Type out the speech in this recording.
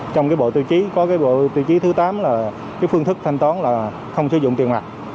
trong cái bộ tư chí có cái bộ tư chí thứ tám là cái phương thức thanh toán là không sử dụng tiền mặt